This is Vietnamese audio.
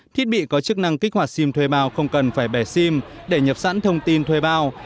thiết bị có chức năng kích hoạt sim thuê bao không cần phải bẻ sim để nhập sẵn thông tin thuê bao